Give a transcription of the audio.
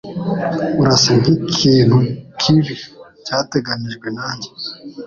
Urasa nkikintu kibi, cyateganijwe nanjye